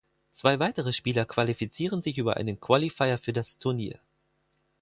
Zwei weitere Spieler qualifizieren sich über einen Qualifier für das Turnier.